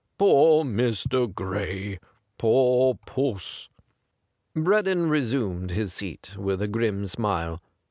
Poor Mr. Gray ! Poor puss !' Breddon resumed his seat with a gi'im smile.